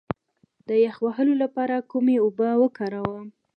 د یخ وهلو لپاره کومې اوبه وکاروم؟